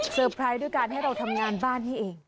ไพรส์ด้วยการให้เราทำงานบ้านให้เอง